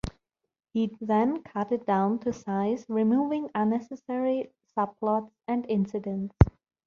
He'd then cut it down to size, removing unnecessary subplots and incidents.